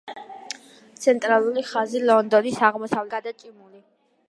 ცენტრალური ხაზი ლონდონის აღმოსავლეთიდან დასავლეთისკენაა გადაჭიმული.